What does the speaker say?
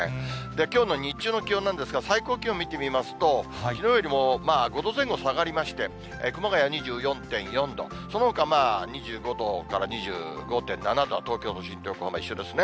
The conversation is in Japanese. きょうの日中の気温なんですが、最高気温見てみますと、きのうよりも５度前後下がりまして、熊谷２４．４度、そのほか２５度から２５．７度、東京都心、横浜、一緒ですね。